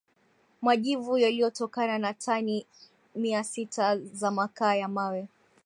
majivu yaliyotokana na tani mia sita za makaa ya mawe